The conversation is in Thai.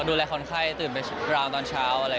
ดูแลคนไข้ตื่นไปราวตอนเช้าอะไร